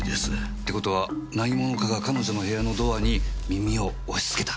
って事は何者かが彼女の部屋のドアに耳を押し付けた？